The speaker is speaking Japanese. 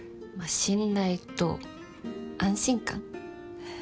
信頼と安心感？